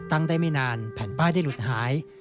ตั้งได้ไม่นานแผ่นป้ายได้หลุดหาย